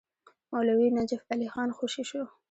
مولوي نجف علي خان خوشي شو.